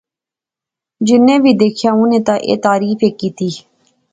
جینی وی دیکھیا اُنی تعریف ایہہ کیتی